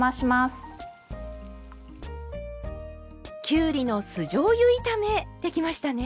きゅうりの酢じょうゆ炒めできましたね。